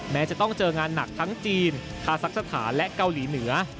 แม้จะต้องเจองานหนักทั้งจีนคาซักสถานและเกาหลีเหนือ